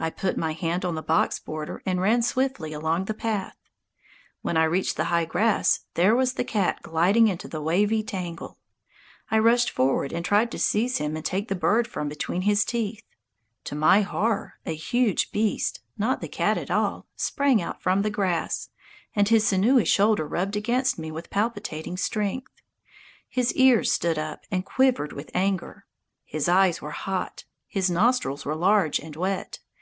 I put my hand on the box border and ran swiftly along the path. When I reached the high grass, there was the cat gliding into the wavy tangle. I rushed forward and tried to seize him and take the bird from between his teeth. To my horror a huge beast, not the cat at all, sprang out from the grass, and his sinewy shoulder rubbed against me with palpitating strength! His ears stood up and quivered with anger. His eyes were hot. His nostrils were large and wet.